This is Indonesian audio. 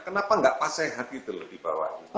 kenapa nggak pas sehat gitu loh di bawah ini